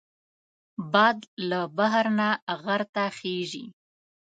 باد له بحر نه غر ته خېژي